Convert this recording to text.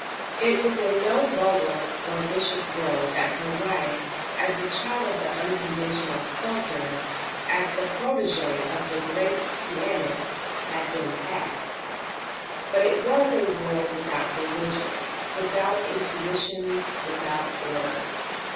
It was in no vulgar or vicious world that her life, as the child of the unconventional sculptor, as the protégée of the great pianist, had been passed. But it was a world without religion, without institutions, without order.